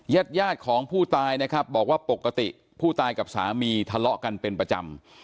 ญาติญาติของผู้ตายนะครับบอกว่าปกติผู้ตายกับสามีทะเลาะกันเป็นประจำ